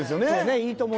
「いいとも！」